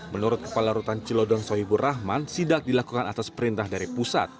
menurut kepala rutan cilodong sohibur rahman sidak dilakukan atas perintah dari pusat